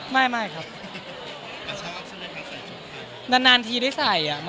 ไม่ครับ